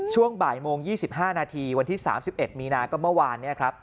ช่วงบ่ายโมง๒๕นาทีวันที่๓๑มีนาก็เมื่อวาน